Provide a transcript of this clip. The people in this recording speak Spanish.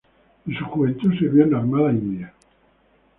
En su juventud, sirvió en la armada india.